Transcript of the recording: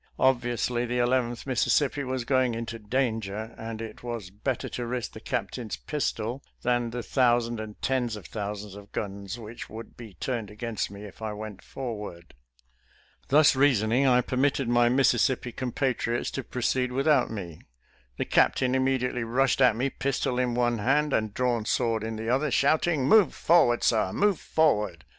Obviously the Eleventh Mississippi was going into danger, and it was bet ter to risk the captain's pistol than the thousand and tens of thousands of guns which would be turned against me if I went forward. Thus rea soning, I permitted my Mississippi compatriots to proceed without me. The captain immediately rushed at me, pistol in one hand and drawn sword in the other, shouting, " Move forward, sir — move forward